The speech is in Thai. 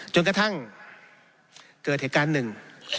จนกระทั่งเกิดเหตุการณ์หนึ่ง